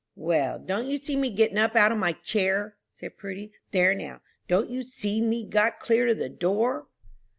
"Well, don't you see me getting up out of my chair?" said Prudy. "There now, don't you see me got clear to the door?"